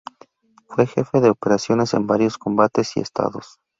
Fue jefe de operaciones en varios combates y estados.